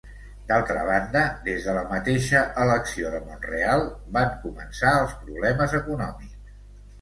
D'altra banda, des de la mateixa elecció de Mont-real van començar els problemes econòmics.